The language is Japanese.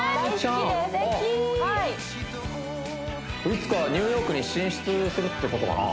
いつかニューヨークに進出するってことかな？